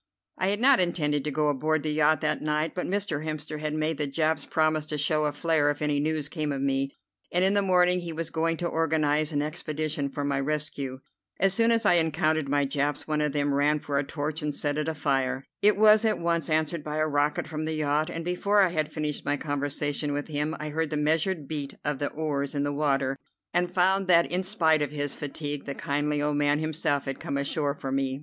I had not intended to go aboard the yacht that night, but Mr. Hemster had made the Japs promise to show a flare if any news came of me, and in the morning he was going to organize an expedition for my rescue. As soon as I encountered my Japs one of them ran for a torch and set it afire. It was at once answered by a rocket from the yacht, and before I had finished my conversation with him I heard the measured beat of the oars in the water, and found that in spite of his fatigue the kindly old man himself had come ashore for me.